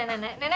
aku tinggal ya